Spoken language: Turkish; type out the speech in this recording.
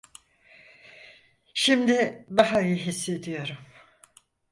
Şimdi daha iyi hissediyorum.